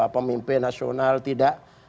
pemimpin nasional tidak